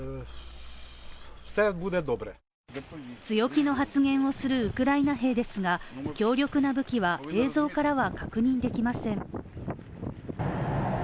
強気の発言をするウクライナ兵ですが強力な武器は映像からは確認できません。